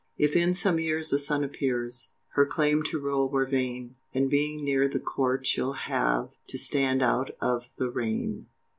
If in some years a son appears, Her claim to rule were vain, And being near the court she'll have To stand out of the REIGN!